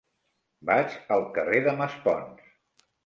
Vaig al carrer de Maspons.